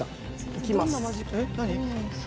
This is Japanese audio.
いきます。